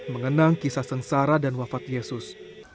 mengenang kisah sengsara dan wafat yesus